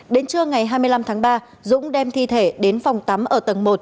đến trưa ngày hai mươi năm tháng ba dũng đem thi thể đến phòng tắm ở tầng một